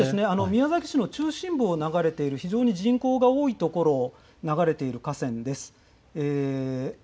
宮崎市の中心部を流れている、非常に人口が多い所を流れている河川です。